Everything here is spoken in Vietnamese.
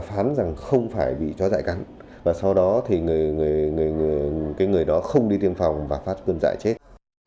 phán rằng không phải bị chó dại cắn và sau đó thì người đó không đi tiêm phòng và phát cơn dại chết